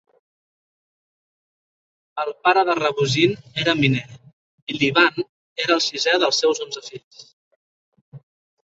El pare de Rabuzin era miner i l'Ivan era el sisè dels seus onze fills.